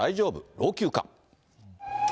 老朽化。